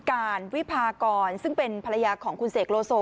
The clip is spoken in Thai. การวิพากรซึ่งเป็นภรรยาของคุณเสกโลโซ